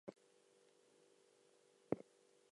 The primary program is the International Fellowship Program.